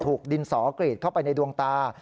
ถูกดินสอกรีดเข้าไปในดวงตา